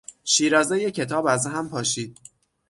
شیرازهٔ کتاب از هم پاشید.